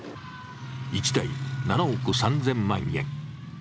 １台７億３０００万円。